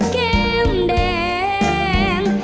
เข้มแดง